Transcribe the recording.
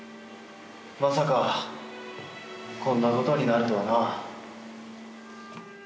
「まさかこんなことになるとはな」